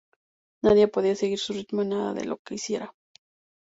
Nadie podía seguir su ritmo en nada de lo que hiciera.